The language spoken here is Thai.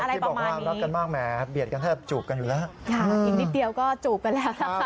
ที่บอกว่ารักกันมากแหมเบียดกันถ้ามันจะจูบกันอีกแล้ว